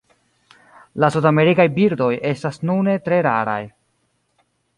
La sudamerikaj birdoj estas nune tre raraj.